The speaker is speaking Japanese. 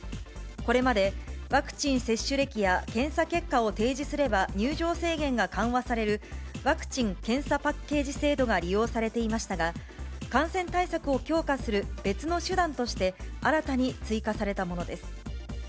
これまでワクチン接種歴や検査結果を提示すれば、入場制限が緩和されるワクチン・検査パッケージ制度が利用されていましたが、感染対策を強化する別の手段として新たに追加されたものです。